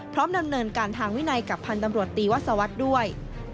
ดำเนินการทางวินัยกับพันธ์ตำรวจตีวัศวรรษด้วย